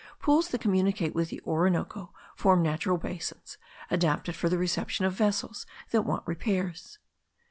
Pools that communicate with the Orinoco form natural basins, adapted for the reception of vessels that want repairs.